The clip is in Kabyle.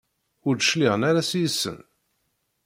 Ur d-cliɛen ara seg-sen?